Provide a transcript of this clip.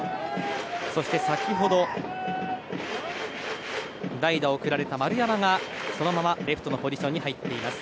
そして先ほど代打を送られた丸山がそのままレフトのポジションに入っています。